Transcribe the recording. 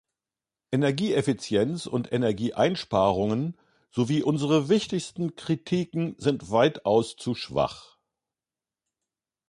Energieeffizienz und Energieeinsparungen sowie unsere wichtigsten Kritiken sind weitaus zu schwach.